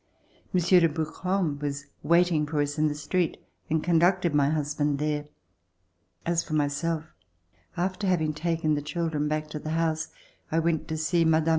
Monsieur de Brouquens was waiting for us In the street and conducted my husband there. As for myself, after having taken the children back to the house, I went to see Mme.